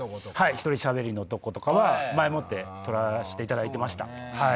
１人しゃべりのとことかは前もって撮らせていただいてました。